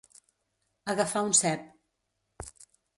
Agafar un cep.